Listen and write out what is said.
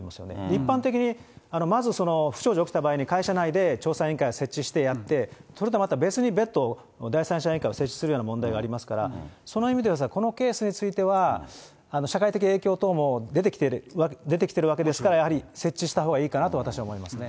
一般的に、まず不祥事起きた場合に、会社内で調査委員会を設置してやって、それとはまた別に別途、第三者委員会を設置するような問題がありますから、その意味では、このケースについては、社会的影響等も出てきているわけですから、やはり設置したほうがいいかなと私は思いますね。